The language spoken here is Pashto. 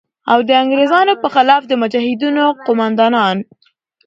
او د انگریزانو په خلاف د مجاهدینو قوماندان